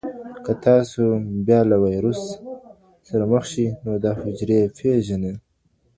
که تاسو بیا له ویروس سره مخ شئ نو دا حجرې یې پیژني.